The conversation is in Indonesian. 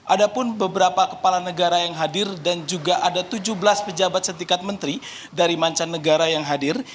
ada pun beberapa kepala negara yang hadir dan juga ada tujuh belas pejabat setingkat menteri dari mancanegara yang hadir